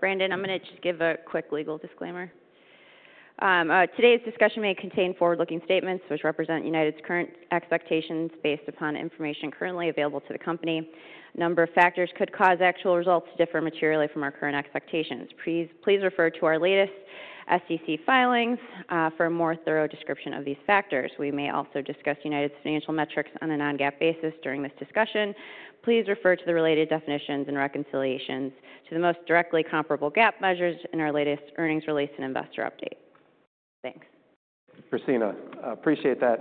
Brandon, I'm going to just give a quick legal disclaimer. Today's discussion may contain forward-looking statements which represent United's current expectations based upon information currently available to the company. A number of factors could cause actual results to differ materially from our current expectations. Please refer to our latest SEC filings for a more thorough description of these factors. We may also discuss United's financial metrics on a non-GAAP basis during this discussion. Please refer to the related definitions and reconciliations to the most directly comparable GAAP measures in our latest earnings release and investor update. Thanks. Kristina, appreciate that.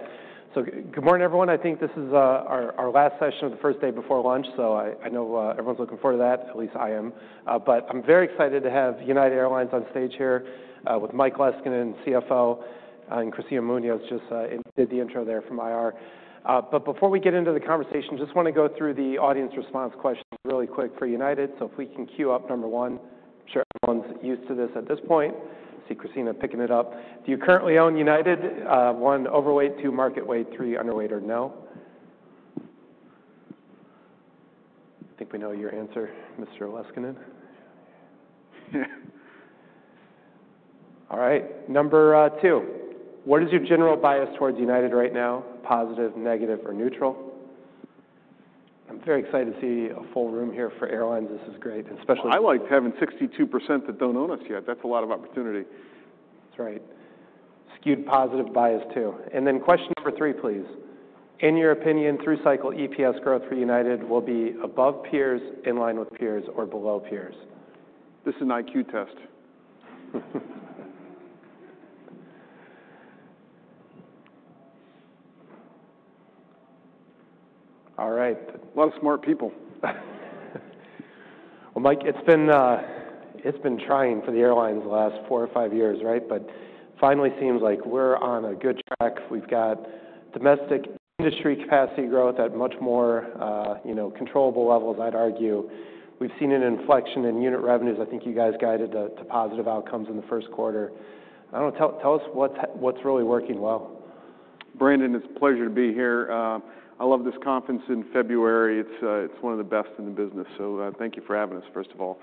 So good morning, everyone. I think this is our last session of the first day before lunch, so I know everyone's looking forward to that, at least I am. But I'm very excited to have United Airlines on stage here with Mike Leskinen, CFO, and Kristina Munoz just did the intro there from IR. But before we get into the conversation, just want to go through the audience response questions really quick for United. So if we can queue up number one, I'm sure everyone's used to this at this point. I see Kristina picking it up. Do you currently own United? One, overweight; two, market weight; three, underweight; or no? I think we know your answer, Mr. Leskinen. All right. Number two, what is your general bias towards United right now? Positive, negative, or neutral? I'm very excited to see a full room here for airlines. This is great, especially. I like having 62% that don't own us yet. That's a lot of opportunity. That's right. Skewed positive bias, too. And then question number three, please. In your opinion, through cycle EPS growth for United will be above peers, in line with peers, or below peers? This is an IQ test. All right. Lots more people. Well, Mike, it's been trying for the airlines the last four or five years, right? But finally seems like we're on a good track. We've got domestic industry capacity growth at much more controllable levels, I'd argue. We've seen an inflection in unit revenues. I think you guys guided to positive outcomes in the first quarter. I don't know. Tell us what's really working well. Brandon, it's a pleasure to be here. I love this conference in February. It's one of the best in the business. So thank you for having us, first of all.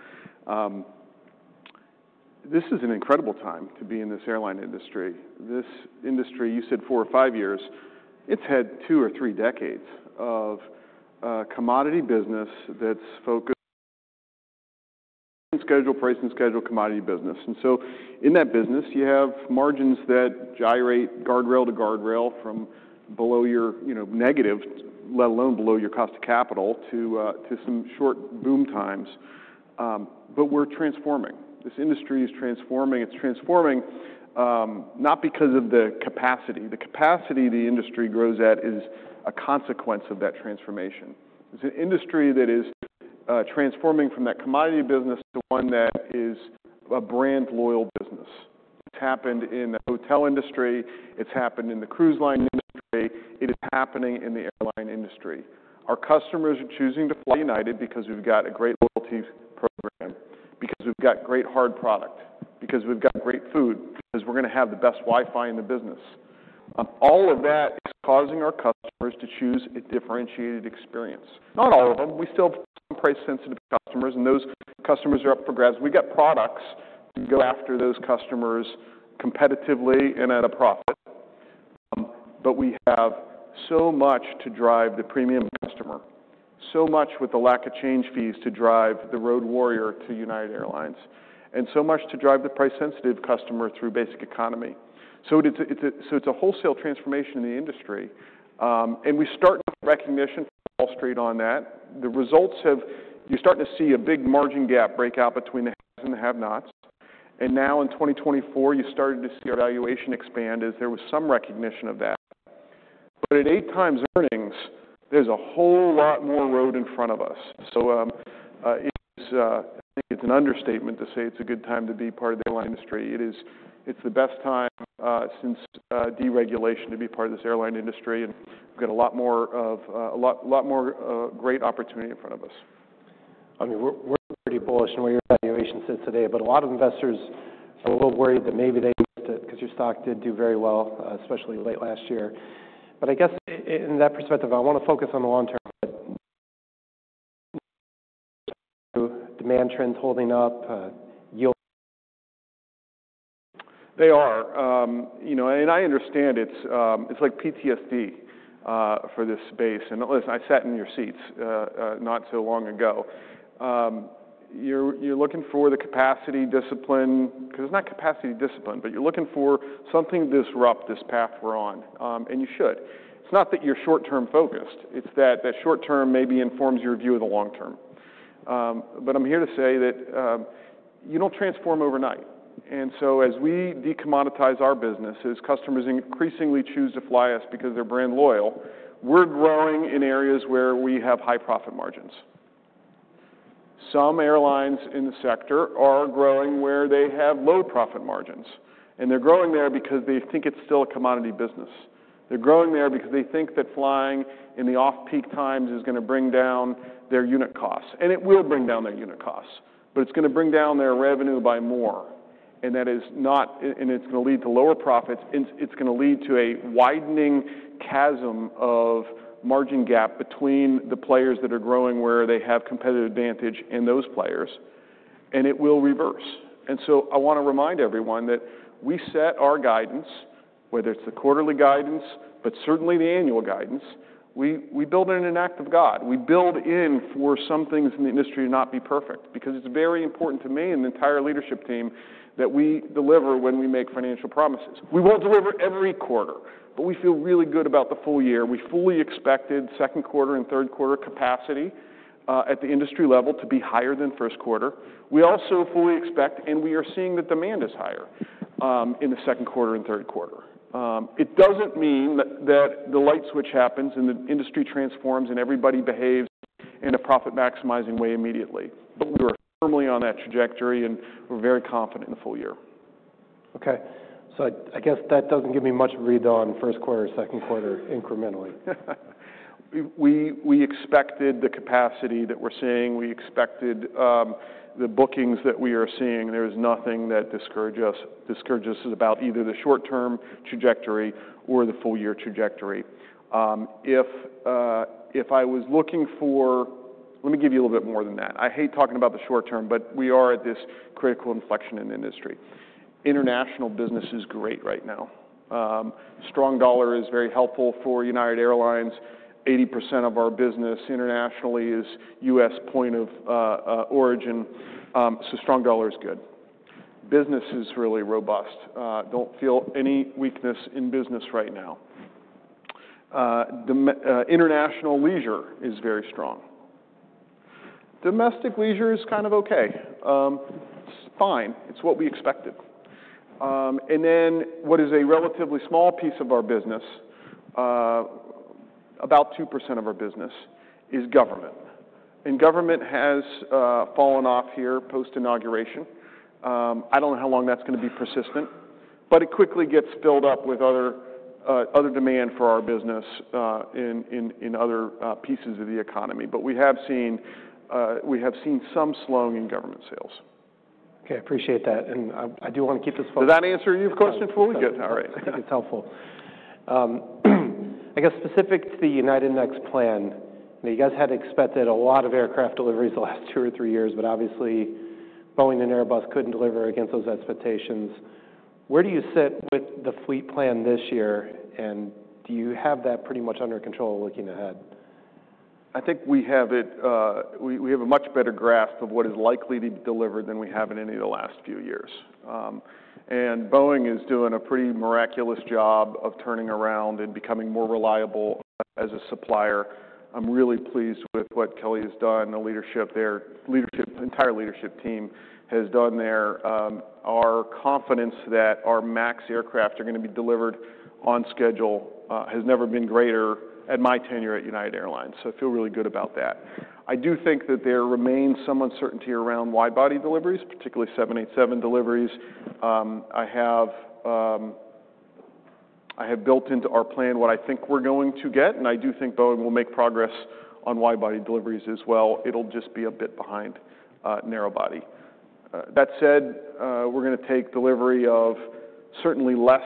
This is an incredible time to be in this airline industry. This industry, you said four or five years, it's had two or three decades of commodity business that's focused on scheduled price and scheduled commodity business. And so in that business, you have margins that gyrate, guardrail to guardrail, from below zero negative, let alone below your cost of capital, to some short boom times. But we're transforming. This industry is transforming. It's transforming not because of the capacity. The capacity the industry grows at is a consequence of that transformation. It's an industry that is transforming from that commodity business to one that is a brand loyal business. It's happened in the hotel industry. It's happened in the cruise line industry. It is happening in the airline industry. Our customers are choosing to fly United because we've got a great loyalty program, because we've got great hard product, because we've got great food, because we're going to have the best Wi-Fi in the business. All of that is causing our customers to choose a differentiated experience. Not all of them. We still have some price-sensitive customers, and those customers are up for grabs. We've got products to go after those customers competitively and at a profit, but we have so much to drive the premium customer, so much with the lack of change fees to drive the road warrior to United Airlines, and so much to drive the price-sensitive customer through Basic Economy, so it's a wholesale transformation in the industry, and we start with recognition from Wall Street on that. The results have, you're starting to see a big margin GAAP break out between the haves and the have-nots. Now in 2024, you started to see our valuation expand as there was some recognition of that. At 8x earnings, there's a whole lot more road in front of us. I think it's an understatement to say it's a good time to be part of the airline industry. It's the best time since deregulation to be part of this airline industry. We've got a lot more great opportunity in front of us. I mean, we're pretty bullish on what your valuation says today. But a lot of investors are a little worried that maybe they missed it because your stock did do very well, especially late last year. But I guess in that perspective, I want to focus on the long term. Demand trends holding up? Yield? They are. And I understand it's like PTSD for this space. And listen, I sat in your seats not so long ago. You're looking for the capacity discipline, because it's not capacity discipline, but you're looking for something to disrupt this path we're on. And you should. It's not that you're short-term focused. It's that that short-term maybe informs your view of the long term. But I'm here to say that you don't transform overnight. And so as we decommoditize our businesses, customers increasingly choose to fly us because they're brand loyal. We're growing in areas where we have high profit margins. Some airlines in the sector are growing where they have low profit margins. And they're growing there because they think it's still a commodity business. They're growing there because they think that flying in the off-peak times is going to bring down their unit costs. And it will bring down their unit costs. But it's going to bring down their revenue by more. And that is not, and it's going to lead to lower profits. It's going to lead to a widening chasm of margin GAAP between the players that are growing where they have competitive advantage and those players. And it will reverse. And so I want to remind everyone that we set our guidance, whether it's the quarterly guidance, but certainly the annual guidance. We build in an act of God. We build in for some things in the industry to not be perfect, because it's very important to me and the entire leadership team that we deliver when we make financial promises. We won't deliver every quarter, but we feel really good about the full year. We fully expected second quarter and third quarter capacity at the industry level to be higher than first quarter. We also fully expect, and we are seeing that demand is higher in the second quarter and third quarter. It doesn't mean that the light switch happens and the industry transforms and everybody behaves in a profit-maximizing way immediately. But we were firmly on that trajectory, and we're very confident in the full year. Okay. So I guess that doesn't give me much read on first quarter or second quarter incrementally. We expected the capacity that we're seeing. We expected the bookings that we are seeing. There is nothing that discourages us about either the short-term trajectory or the full-year trajectory. If I was looking for, let me give you a little bit more than that. I hate talking about the short term, but we are at this critical inflection in the industry. International business is great right now. Strong dollar is very helpful for United Airlines. 80% of our business internationally is U.S. point of origin. So strong dollar is good. Business is really robust. Don't feel any weakness in business right now. International leisure is very strong. Domestic leisure is kind of okay. It's fine. It's what we expected, and then what is a relatively small piece of our business, about 2% of our business, is government. And government has fallen off here post-inauguration. I don't know how long that's going to be persistent, but it quickly gets filled up with other demand for our business in other pieces of the economy. But we have seen some slowing in government sales. Okay. I appreciate that and I do want to keep this focused. Did that answer your question fully? Yes. Good. All right. I think it's helpful. I guess specific to the United Next plan, you guys had expected a lot of aircraft deliveries the last two or three years, but obviously Boeing and Airbus couldn't deliver against those expectations. Where do you sit with the fleet plan this year, and do you have that pretty much under control looking ahead? I think we have it. We have a much better grasp of what is likely to be delivered than we have in any of the last few years, and Boeing is doing a pretty miraculous job of turning around and becoming more reliable as a supplier. I'm really pleased with what Kelly has done and the leadership there, entire leadership team has done there. Our confidence that our max aircraft are going to be delivered on schedule has never been greater at my tenure at United Airlines, so I feel really good about that. I do think that there remains some uncertainty around wide-body deliveries, particularly 787 deliveries. I have built into our plan what I think we're going to get, and I do think Boeing will make progress on wide-body deliveries as well. It'll just be a bit behind narrow body. That said, we're going to take delivery of certainly less.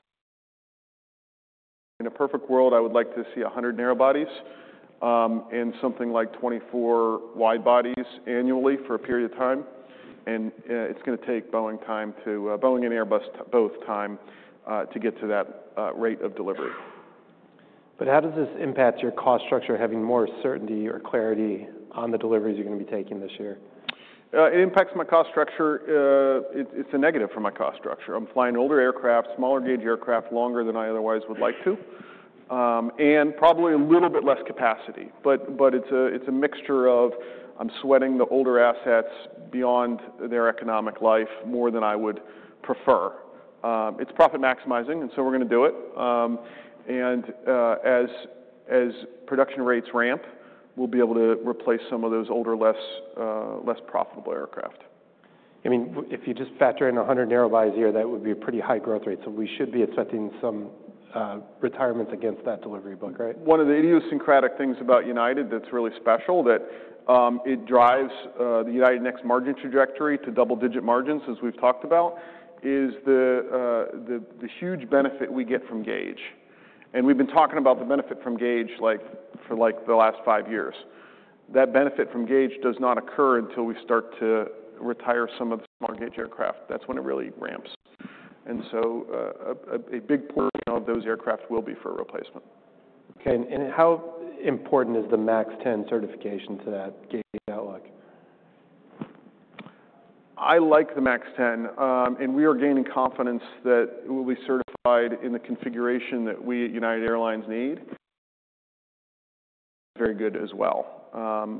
In a perfect world, I would like to see 100 narrow bodies and something like 24 wide bodies annually for a period of time. And it's going to take Boeing and Airbus both time to get to that rate of delivery. But how does this impact your cost structure, having more certainty or clarity on the deliveries you're going to be taking this year? It impacts my cost structure. It's a negative for my cost structure. I'm flying older aircraft, smaller-gauge aircraft, longer than I otherwise would like to, and probably a little bit less capacity. But it's a mixture of I'm sweating the older assets beyond their economic life more than I would prefer. It's profit maximizing, and so we're going to do it. And as production rates ramp, we'll be able to replace some of those older, less profitable aircraft. I mean, if you just factor in 100 narrow bodies a year, that would be a pretty high growth rate. So we should be expecting some retirements against that delivery book, right? One of the idiosyncratic things about United that's really special, that it drives the United Next margin trajectory to double-digit margins, as we've talked about, is the huge benefit we get from gauge. And we've been talking about the benefit from gauge for like the last five years. That benefit from gauge does not occur until we start to retire some of the smaller-gauge aircraft. That's when it really ramps. And so a big portion of those aircraft will be for replacement. Okay, and how important is the MAX 10 certification to that gauge outlook? I like the MAX 10, and we are gaining confidence that it will be certified in the configuration that we at United Airlines need. It is very good as well,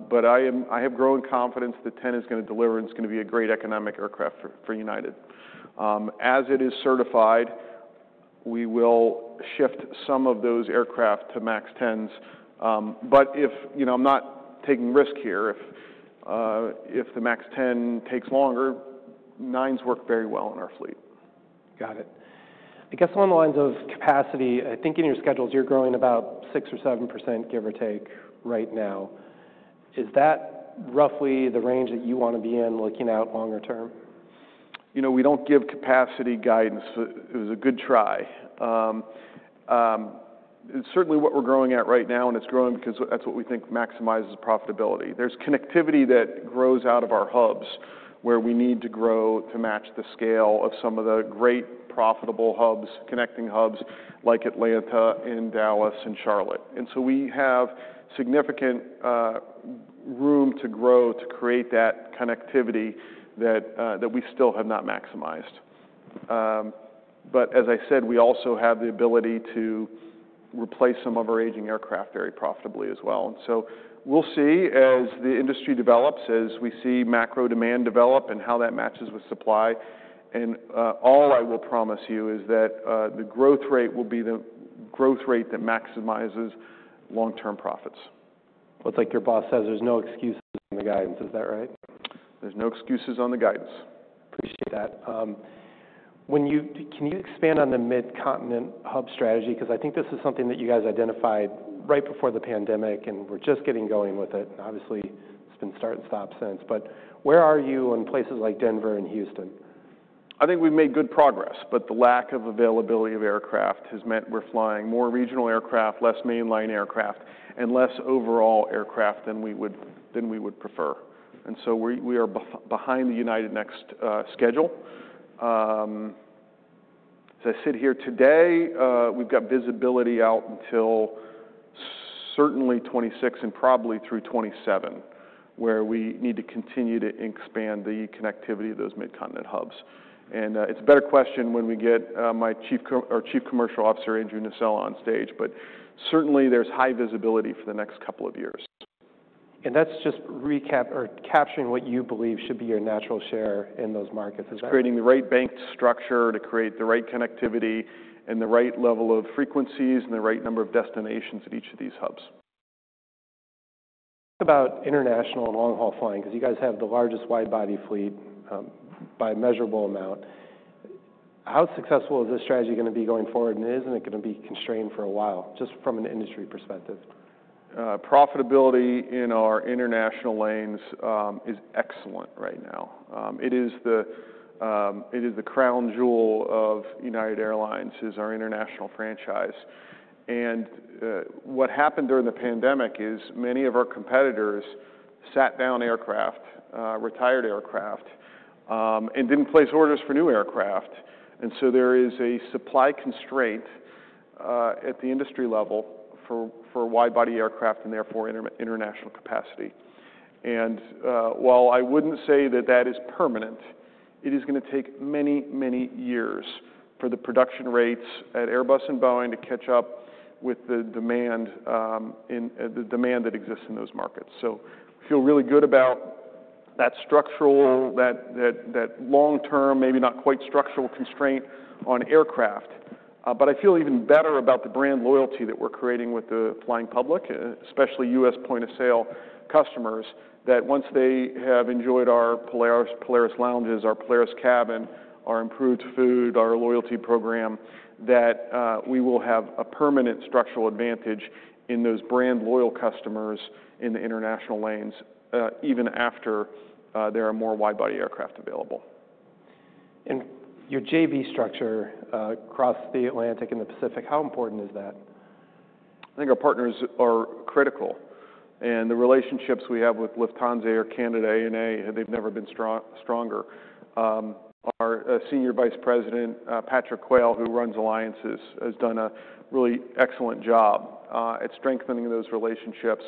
but I have growing confidence that 10 is going to deliver and it's going to be a great economic aircraft for United. As it is certified, we will shift some of those aircraft to MAX 10s, but if I'm not taking risk here, if the MAX 10 takes longer, 9s work very well in our fleet. Got it. I guess along the lines of capacity, I think in your schedules, you're growing about 6% or 7%, give or take, right now. Is that roughly the range that you want to be in looking out longer term? You know, we don't give capacity guidance. It was a good try. It's certainly what we're growing at right now, and it's growing because that's what we think maximizes profitability. There's connectivity that grows out of our hubs where we need to grow to match the scale of some of the great profitable hubs, connecting hubs like Atlanta and Dallas and Charlotte. And so we have significant room to grow to create that connectivity that we still have not maximized. But as I said, we also have the ability to replace some of our aging aircraft very profitably as well. And so we'll see as the industry develops, as we see macro demand develop and how that matches with supply. And all I will promise you is that the growth rate will be the growth rate that maximizes long-term profits. It's like your boss says, there's no excuses on the guidance. Is that right? There's no excuses on the guidance. Appreciate that. Can you expand on the mid-continent hub strategy? Because I think this is something that you guys identified right before the pandemic, and we're just getting going with it. And obviously, it's been start and stop since. But where are you in places like Denver and Houston? I think we've made good progress, but the lack of availability of aircraft has meant we're flying more regional aircraft, less mainline aircraft, and less overall aircraft than we would prefer, and so we are behind the United Next schedule. As I sit here today, we've got visibility out until certainly 2026 and probably through 2027, where we need to continue to expand the connectivity of those mid-continent hubs, and it's a better question when we get my Chief Commercial Officer, Andrew Nocella, on stage, but certainly, there's high visibility for the next couple of years. That's just recap or capturing what you believe should be your natural share in those markets. It's creating the right banked structure to create the right connectivity and the right level of frequencies and the right number of destinations at each of these hubs. Talk about international and long-haul flying, because you guys have the largest wide-body fleet by a measurable amount. How successful is this strategy going to be going forward, and isn't it going to be constrained for a while, just from an industry perspective? Profitability in our international lanes is excellent right now. It is the Crown Jewel of United Airlines, our international franchise. And what happened during the pandemic is many of our competitors sat down aircraft, retired aircraft, and didn't place orders for new aircraft. And so there is a supply constraint at the industry level for wide-body aircraft and therefore international capacity. And while I wouldn't say that that is permanent, it is going to take many, many years for the production rates at Airbus and Boeing to catch up with the demand that exists in those markets. So I feel really good about that structural, that long-term, maybe not quite structural constraint on aircraft. But I feel even better about the brand loyalty that we're creating with the flying public, especially U.S. Point-of-sale customers, that once they have enjoyed our Polaris lounges, our Polaris cabin, our improved food, our loyalty program, that we will have a permanent structural advantage in those brand loyal customers in the international lanes, even after there are more wide-body aircraft available. Your JV structure across the Atlantic and the Pacific, how important is that? I think our partners are critical. And the relationships we have with Lufthansa, Air Canada, ANA, they've never been stronger. Our Senior Vice President, Patrick Quayle, who runs Alliances, has done a really excellent job at strengthening those relationships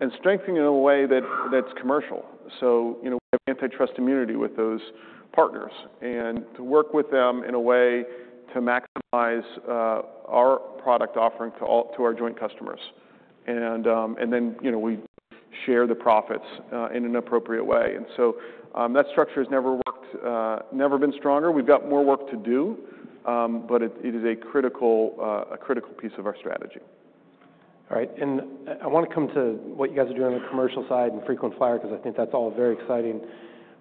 and strengthening in a way that's commercial. So we have antitrust immunity with those partners and to work with them in a way to maximize our product offering to our joint customers. And then we share the profits in an appropriate way. And so that structure has never worked, never been stronger. We've got more work to do, but it is a critical piece of our strategy. All right. And I want to come to what you guys are doing on the commercial side and frequent flyer, because I think that's all very exciting.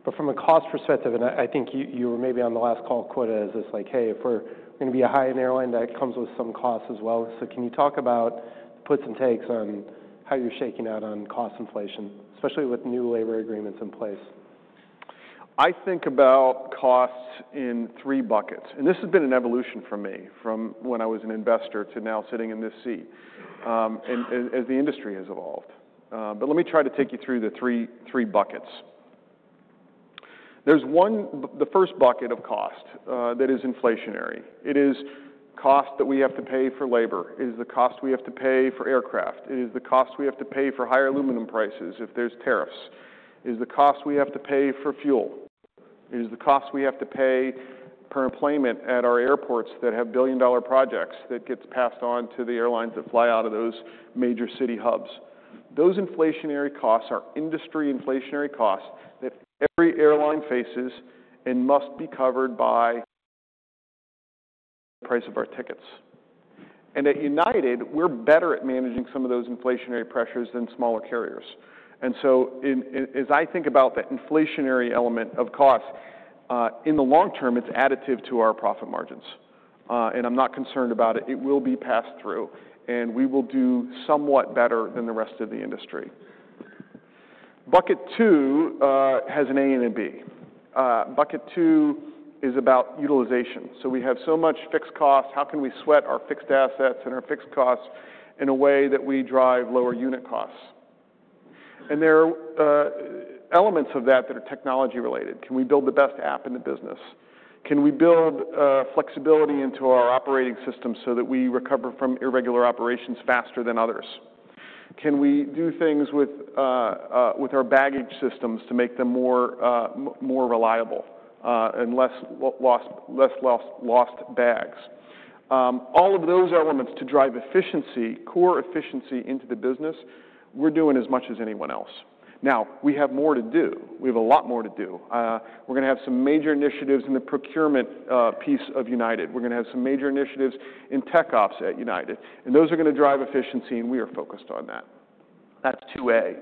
But from a cost perspective, and I think you were maybe on the last call, Quayle, as it's like, hey, if we're going to be a high-end airline, that comes with some costs as well. So can you talk about the puts and takes on how you're shaking out on cost inflation, especially with new labor agreements in place? I think about costs in three buckets, and this has been an evolution for me from when I was an investor to now sitting in this seat as the industry has evolved, but let me try to take you through the three buckets. There's one, the first bucket of cost that is inflationary. It is cost that we have to pay for labor. It is the cost we have to pay for aircraft. It is the cost we have to pay for higher aluminum prices if there's tariffs. It is the cost we have to pay for fuel. It is the cost we have to pay per employment at our airports that have billion-dollar projects that gets passed on to the airlines that fly out of those major city hubs. Those inflationary costs are industry inflationary costs that every airline faces and must be covered by the price of our tickets. And at United, we're better at managing some of those inflationary pressures than smaller carriers. And so as I think about that inflationary element of cost, in the long term, it's additive to our profit margins. And I'm not concerned about it. It will be passed through, and we will do somewhat better than the rest of the industry. Bucket two has an A and a B. Bucket two is about utilization. So we have so much fixed costs. How can we sweat our fixed assets and our fixed costs in a way that we drive lower unit costs? And there are elements of that that are technology-related. Can we build the best app in the business? Can we build flexibility into our operating system so that we recover from irregular operations faster than others? Can we do things with our baggage systems to make them more reliable and less lost bags? All of those elements to drive efficiency, core efficiency into the business, we're doing as much as anyone else. Now, we have more to do. We have a lot more to do. We're going to have some major initiatives in the procurement piece of United. We're going to have some major initiatives in tech ops at United, and those are going to drive efficiency, and we are focused on that. That's 2A.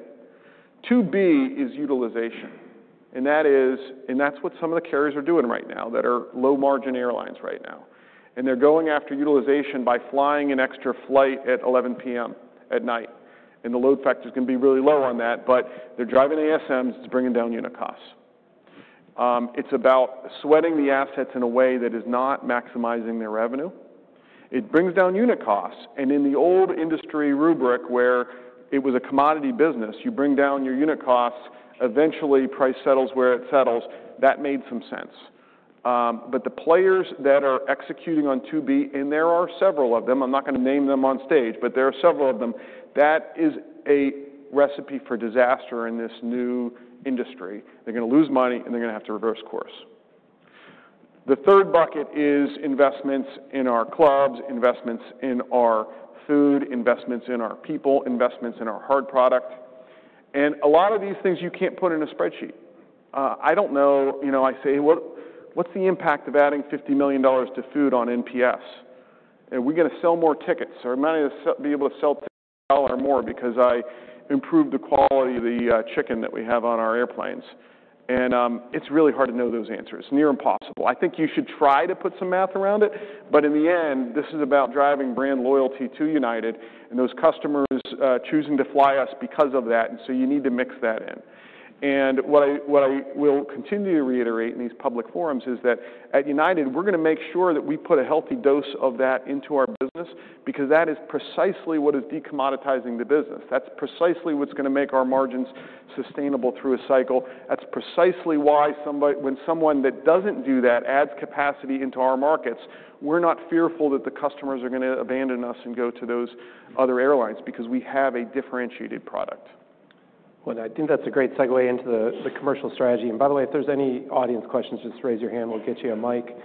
2B is utilization, and that's what some of the carriers are doing right now that are low-margin airlines right now, and they're going after utilization by flying an extra flight at 11:00 P.M. at night. The load factor is going to be really low on that, but they're driving ASMs to bring down unit costs. It's about sweating the assets in a way that is not maximizing their revenue. It brings down unit costs. In the old industry rubric, where it was a commodity business, you bring down your unit costs, eventually price settles where it settles. That made some sense. But the players that are executing on 2B, and there are several of them, I'm not going to name them on stage, but there are several of them, that is a recipe for disaster in this new industry. They're going to lose money, and they're going to have to reverse course. The third bucket is investments in our clubs, investments in our food, investments in our people, investments in our hard product. A lot of these things you can't put in a spreadsheet. I don't know, you know, I say, what's the impact of adding $50 million to food on NPS? Are we going to sell more tickets? Are we not going to be able to sell $10 more because I improved the quality of the chicken that we have on our airplanes? And it's really hard to know those answers. It's near impossible. I think you should try to put some math around it. But in the end, this is about driving brand loyalty to United and those customers choosing to fly us because of that. And so you need to mix that in. And what I will continue to reiterate in these public forums is that at United, we're going to make sure that we put a healthy dose of that into our business because that is precisely what is decommoditizing the business. That's precisely what's going to make our margins sustainable through a cycle. That's precisely why when someone that doesn't do that adds capacity into our markets, we're not fearful that the customers are going to abandon us and go to those other airlines because we have a differentiated product. I think that's a great segue into the commercial strategy. By the way, if there's any audience questions, just raise your hand. We'll get you a mic.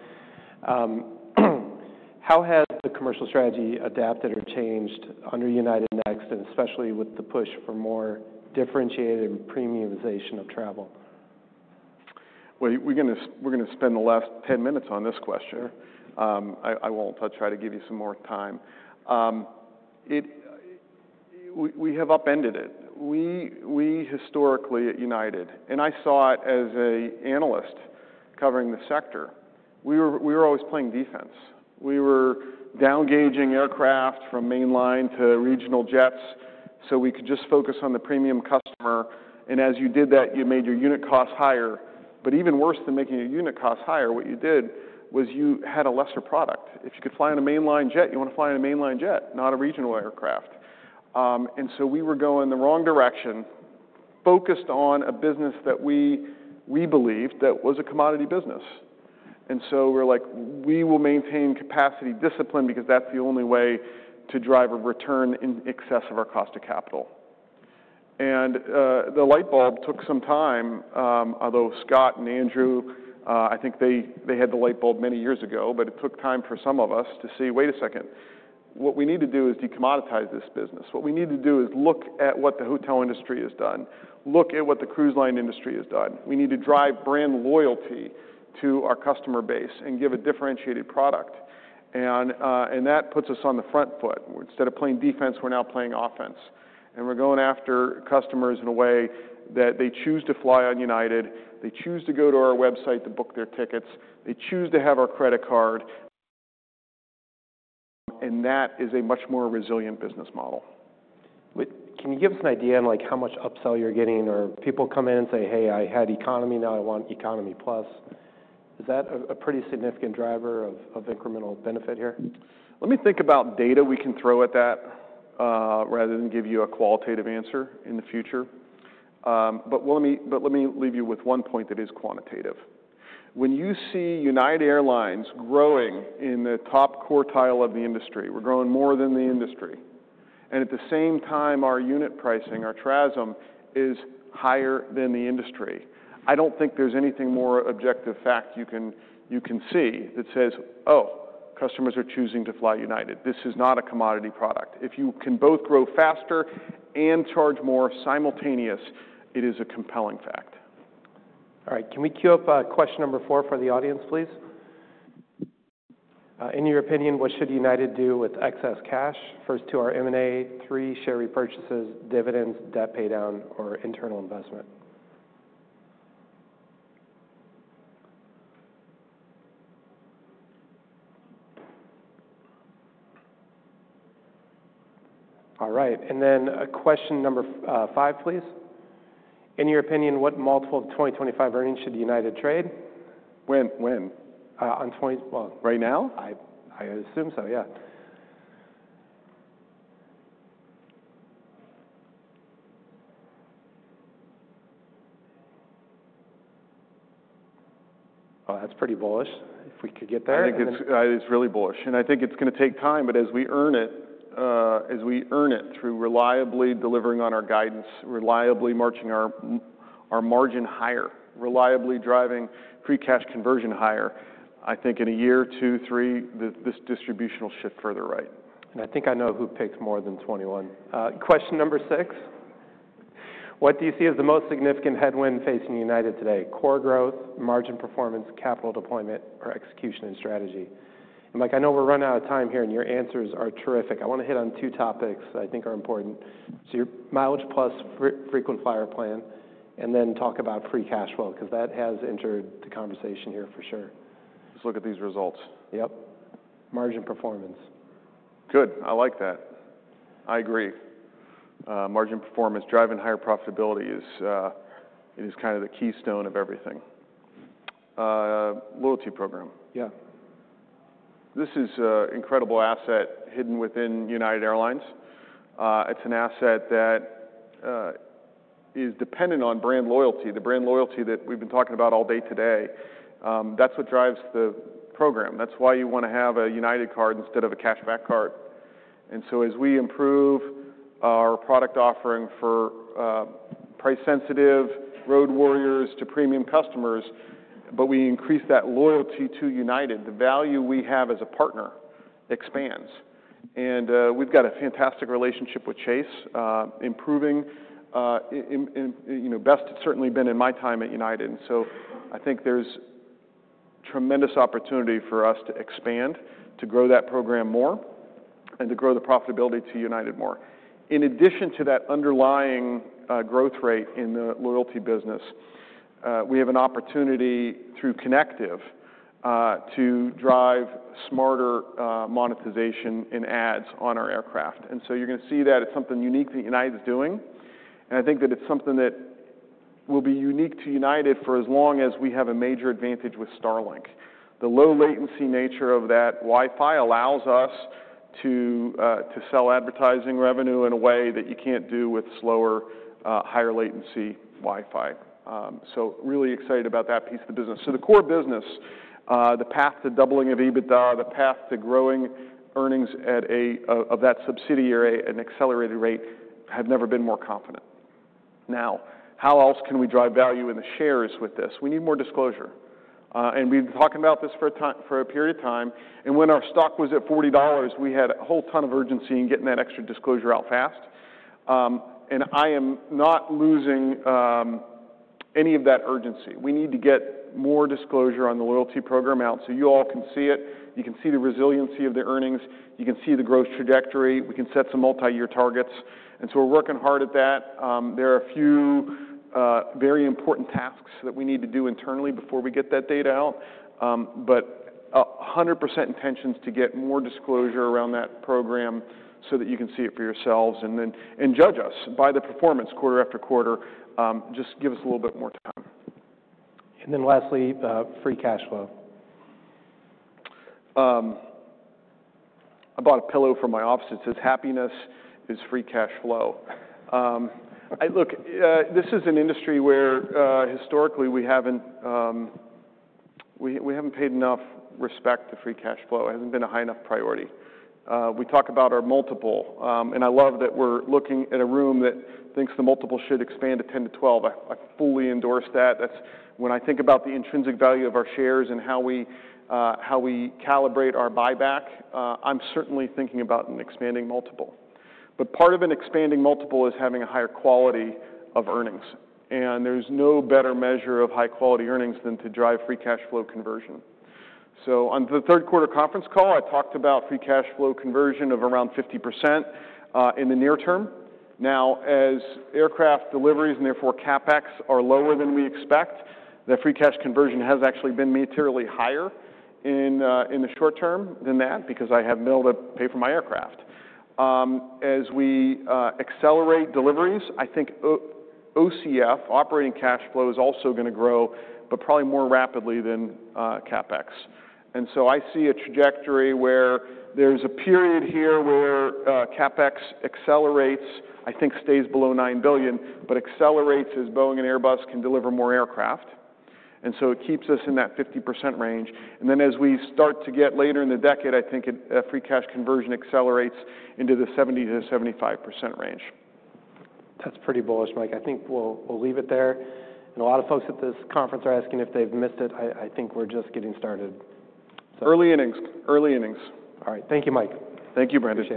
How has the commercial strategy adapted or changed under United Next, and especially with the push for more differentiated and premiumization of travel? We're going to spend the last 10 minutes on this question. I won't. I'll try to give you some more time. We have upended it. We historically at United, and I saw it as an analyst covering the sector, we were always playing defense. We were downgauging aircraft from mainline to regional jets so we could just focus on the premium customer. And as you did that, you made your unit costs higher. But even worse than making your unit costs higher, what you did was you had a lesser product. If you could fly on a mainline jet, you want to fly on a mainline jet, not a regional aircraft. And so we were going the wrong direction, focused on a business that we believed that was a commodity business. And so we're like, we will maintain capacity discipline because that's the only way to drive a return in excess of our cost of capital. And the light bulb took some time, although Scott and Andrew, I think they had the light bulb many years ago, but it took time for some of us to see, wait a second, what we need to do is decommoditize this business. What we need to do is look at what the hotel industry has done, look at what the cruise line industry has done. We need to drive brand loyalty to our customer base and give a differentiated product. And that puts us on the front foot. Instead of playing defense, we're now playing offense. We're going after customers in a way that they choose to fly on United, they choose to go to our website to book their tickets, they choose to have our credit card. That is a much more resilient business model. Can you give us an idea on how much upsell you're getting? Or people come in and say, hey, I had Economy, now I want Economy Plus. Is that a pretty significant driver of incremental benefit here? Let me think about data we can throw at that rather than give you a qualitative answer in the future. But let me leave you with one point that is quantitative. When you see United Airlines growing in the top quartile of the industry, we're growing more than the industry. And at the same time, our unit pricing, our TRASM, is higher than the industry. I don't think there's anything more objective fact you can see that says, oh, customers are choosing to fly United. This is not a commodity product. If you can both grow faster and charge more simultaneously, it is a compelling fact. All right. Can we queue up question number four for the audience, please? In your opinion, what should United do with excess cash? First to our M&A, three, share repurchases, dividends, debt paydown, or internal investment. All right. And then question number five, please. In your opinion, what multiple of 2025 earnings should United trade? When? Right now? I assume so, yeah. Oh, that's pretty bullish. If we could get there. I think it's really bullish, and I think it's going to take time, but as we earn it, as we earn it through reliably delivering on our guidance, reliably marching our margin higher, reliably driving free cash conversion higher. I think in a year, two, three, this distribution will shift further right. And I think I know who picked more than 21. Question number six. What do you see as the most significant headwind facing United today? Core growth, margin performance, capital deployment, or execution and strategy? And Mike, I know we're running out of time here, and your answers are terrific. I want to hit on two topics I think are important. So your MileagePlus frequent flyer plan, and then talk about free cash flow, because that has entered the conversation here for sure. Let's look at these results. Yep. Margin performance. Good. I like that. I agree. Margin performance, driving higher profitability is kind of the keystone of everything. Loyalty program. Yeah. This is an incredible asset hidden within United Airlines. It's an asset that is dependent on brand loyalty, the brand loyalty that we've been talking about all day today. That's what drives the program. That's why you want to have a United card instead of a cashback card. And so as we improve our product offering for price-sensitive road warriors to premium customers, but we increase that loyalty to United, the value we have as a partner expands. And we've got a fantastic relationship with Chase, improving. Best has certainly been in my time at United. And so I think there's tremendous opportunity for us to expand, to grow that program more, and to grow the profitability to United more. In addition to that underlying growth rate in the loyalty business, we have an opportunity through Connective to drive smarter monetization in ads on our aircraft. And so you're going to see that it's something unique that United is doing. And I think that it's something that will be unique to United for as long as we have a major advantage with Starlink. The low-latency nature of that Wi-Fi allows us to sell advertising revenue in a way that you can't do with slower, higher-latency Wi-Fi. So really excited about that piece of the business. So the core business, the path to doubling of EBITDA, the path to growing earnings of that subsidiary at an accelerated rate have never been more confident. Now, how else can we drive value in the shares with this? We need more disclosure. And we've been talking about this for a period of time. And when our stock was at $40, we had a whole ton of urgency in getting that extra disclosure out fast. I am not losing any of that urgency. We need to get more disclosure on the loyalty program out so you all can see it. You can see the resiliency of the earnings. You can see the growth trajectory. We can set some multi-year targets. And so we're working hard at that. There are a few very important tasks that we need to do internally before we get that data out. But 100% intentions to get more disclosure around that program so that you can see it for yourselves and judge us by the performance quarter-after-quarter. Just give us a little bit more time. And then lastly, free cash flow. I bought a pillow for my office. It says, "Happiness is free cash flow." Look, this is an industry where historically we haven't paid enough respect to free cash flow. It hasn't been a high enough priority. We talk about our multiple, and I love that we're looking at a room that thinks the multiple should expand to 10-12. I fully endorse that. When I think about the intrinsic value of our shares and how we calibrate our buyback, I'm certainly thinking about an expanding multiple, but part of an expanding multiple is having a higher quality of earnings. And there's no better measure of high-quality earnings than to drive free cash flow conversion, so on the third quarter conference call, I talked about free cash flow conversion of around 50% in the near term. Now, as aircraft deliveries and therefore CapEx are lower than we expect, the free cash conversion has actually been materially higher in the short term than that because I have less to pay for my aircraft. As we accelerate deliveries, I think OCF, Operating Cash Flow, is also going to grow, but probably more rapidly than CapEx, and so I see a trajectory where there's a period here where CapEx accelerates, I think it stays below $9 billion, but accelerates as Boeing and Airbus can deliver more aircraft, and so it keeps us in that 50% range, and then as we start to get later in the decade, I think free cash conversion accelerates into the 70%-75% range. That's pretty bullish, Mike. I think we'll leave it there. And a lot of folks at this conference are asking if they've missed it. I think we're just getting started. Early innings. All right. Thank you, Mike. Thank you, [Brandon].